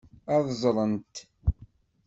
Ad ẓrent.